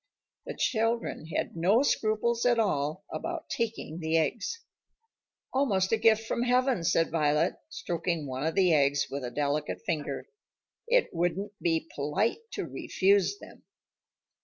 The children had no scruples at all about taking the eggs. "Almost a gift from heaven," said Violet, stroking one of the eggs with a delicate finger. "It wouldn't be polite to refuse them."